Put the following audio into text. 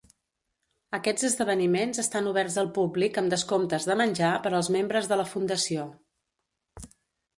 Aquests esdeveniments estan oberts al públic amb descomptes de menjar per als membres de la Fundació.